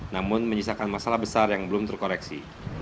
namun menyisakan masalah besar yang belum terkoreksi